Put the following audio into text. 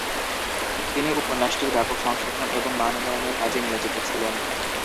তিনি উপন্যাসটির ব্যাপক সংশোধন এবং মান-উন্নয়নের কাজে নিয়োজিত ছিলেন।